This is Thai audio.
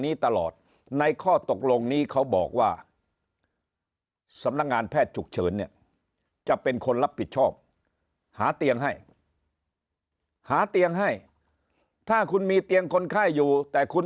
นี้ตลอดในข้อตกลงนี้เขาบอกว่าสำนักงานแพทย์ฉุกเฉิน